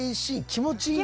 気持ちいい！